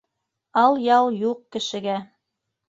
Ал-ял юҡ кешегә